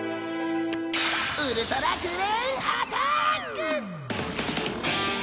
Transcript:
ウルトラクレーンアターック！